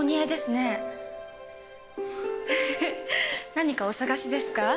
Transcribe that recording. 何かお探しですか？